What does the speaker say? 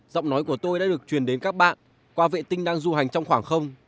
giọng nói của tôi đã được truyền đến các bạn qua vệ tinh đang du hành trong khoảng không